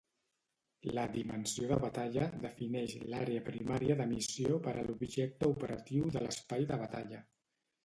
La "Dimensió de Batalla" defineix l'àrea primària de missió per a l'objecte operatiu de l'espai de batalla.